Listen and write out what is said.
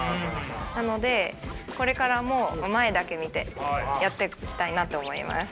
なのでこれからも前だけ見てやっていきたいなと思います。